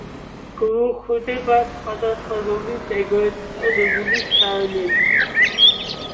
გვხვდება სხვადასხვა ზომის ეგრედ წოდებული შარნებიც.